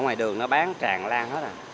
ở ngoài đường nó bán tràn lan hết rồi